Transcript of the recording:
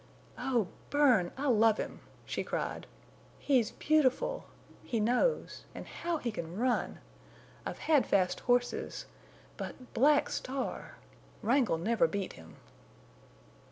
"Oh, Bern! I love him!" she cried. "He's beautiful; he knows; and how he can run! I've had fast horses. But Black Star!... Wrangle never beat him!"